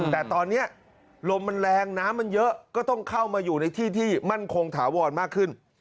แต่ตอนนี้ลมมันแรงน้ำมันเยอะก็ต้องเข้ามาอยู่ในที่ที่มั่นคงถาวรมากขึ้น